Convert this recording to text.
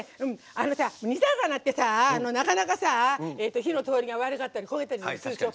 煮魚ってさ、なかなか火の通りが悪かったり焦げたりするでしょ。